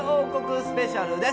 スペシャルです。